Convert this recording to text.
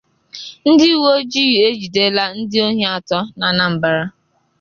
Ndị Uweojii Ejidela Ndị Ohi Atọ n'Anambra